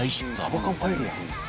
「サバ缶パエリア？」